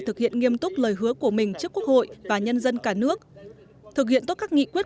thực hiện nghiêm túc lời hứa của mình trước quốc hội và nhân dân cả nước thực hiện tốt các nghị quyết